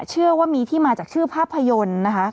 เชื่อว่ามีที่มาจากชื่อภาพยนตร์นะคะ